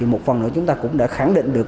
một phần chúng ta cũng đã khẳng định được